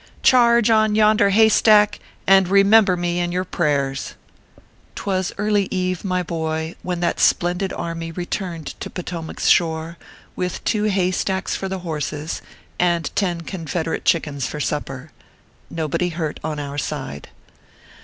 Charge on yonder hay stack, and remember me in your prayers !" ORPHEUS C. KERR PAPERS. 175 Twas early eve, my boy, when that splendid army returned to Potomac s shore, with two hay stacks for the horses, and ten Confederate chickens for supper. Nobody hurt on our side.